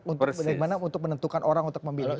untuk bagaimana untuk menentukan orang untuk memilih